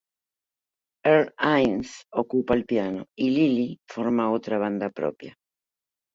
Earl Hines ocupa el piano y Lily forma otra banda propia.